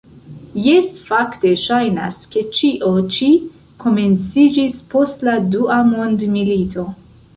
Jes, fakte ŝajnas, ke ĉio ĉi komenciĝis post la dua mondmilito.